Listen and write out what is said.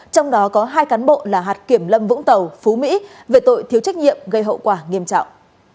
một cán bộ là hạt kiểm lâm vũng tàu phú mỹ về tội thiếu trách nhiệm gây hậu quả nghiêm trọng